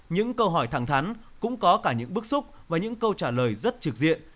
những câu hỏi thẳng thắn cũng có cả những bức xúc và những câu trả lời rất trực diện